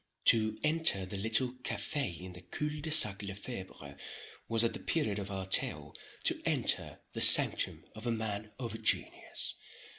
To enter the little café in the cul de sac Le Febre was, at the period of our tale, to enter the sanctum of a man of genius.